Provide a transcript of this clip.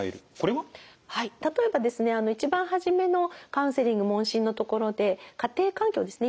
はい例えばですね一番初めのカウンセリング問診のところで家庭環境ですね